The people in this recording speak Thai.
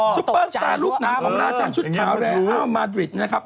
ปเปอร์สตาร์ลูกหนังของราชันชุดขาวแอร์อ้าวมาดริดนะครับ